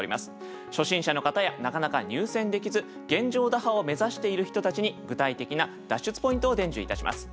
初心者の方やなかなか入選できず現状打破を目指している人たちに具体的な脱出ポイントを伝授いたします。